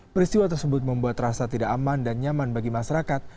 peristiwa tersebut membuat rasa tidak aman dan nyaman bagi masyarakat